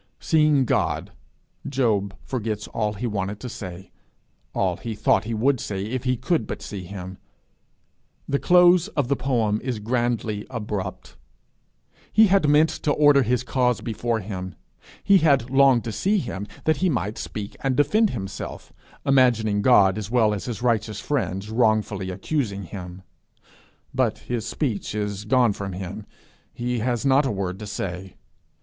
Seeing God, Job forgets all he wanted to say, all he thought he would say if he could but see him. The close of the poem is grandly abrupt. He had meant to order his cause before him; he had longed to see him that he might speak and defend himself, imagining God as well as his righteous friends wrongfully accusing him; but his speech is gone from him; he has not a word to say.